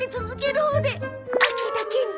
秋だけに。